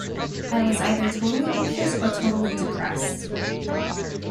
I was either totally anxious or totally depressed.